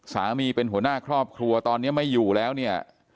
หัวหน้าเป็นหัวหน้าครอบครัวตอนนี้ไม่อยู่แล้วเนี่ย